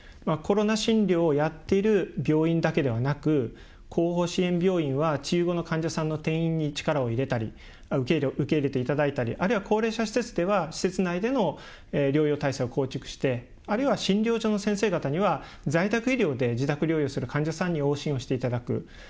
コロナ診療をやっている病院だけではなく後方支援病院は患者さんの転院に力を入れたり受け入れていただいたりあるいは高齢者施設では施設内での療養体制を構築してあるいは診療所の先生方には在宅医療で自宅療養する患者さんに往診をしていただく。